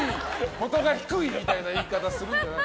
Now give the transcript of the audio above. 元が低いみたいな言い方するんじゃない。